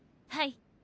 はい。